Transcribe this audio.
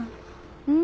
うん？